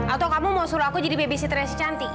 atau kamu mau suruh aku jadi baby sitter yang si cantik